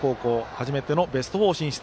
初めてのベスト４進出